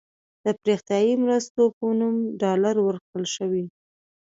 د پراختیايي مرستو په نوم ډالر ورکړل شوي.